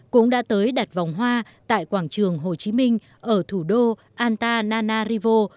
cũng đã tới đặt vòng hoa tại quảng trường hồ chí minh ở thủ đô antananarivo